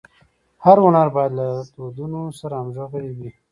هر هنر باید له دودونو سره همږغي ولري.